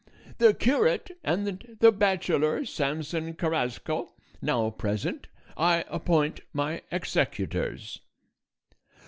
The curate and the bachelor Samson Carrasco, now present, I appoint my executors.